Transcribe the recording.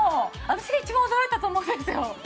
私が一番驚いたと思うんですよ。